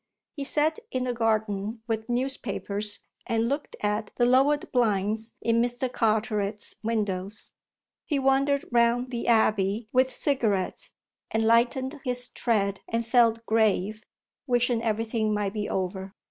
He sat in the garden with newspapers and looked at the lowered blinds in Mr. Carteret's windows; he wandered round the abbey with cigarettes and lightened his tread and felt grave, wishing everything might be over.